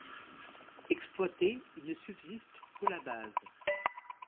Exploité, il ne subsiste que la base.